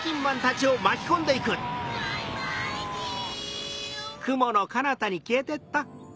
バイバイキン！